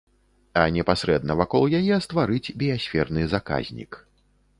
А непасрэдна вакол яе стварыць біясферны заказнік.